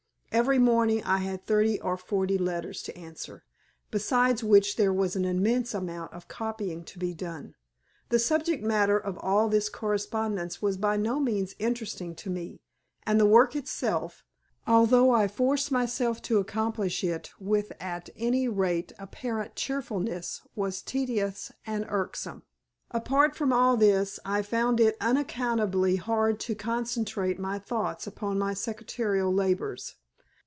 Every morning I had thirty or forty letters to answer, besides which there was an immense amount of copying to be done. The subject matter of all this correspondence was by no means interesting to me, and the work itself, although I forced myself to accomplish it with at any rate apparent cheerfulness was tedious and irksome. Apart from all this, I found it unaccountably hard to concentrate my thoughts upon my secretarial labors.